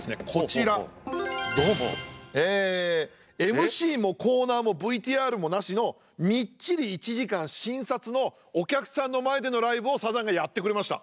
ＭＣもコーナーもＶＴＲもなしのみっちり１時間新撮のお客さんの前でのライブをサザンがやってくれました。